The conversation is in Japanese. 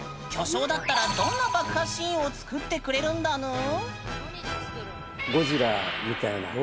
巨匠だったらどんな爆破シーンを作ってくれるんだぬん？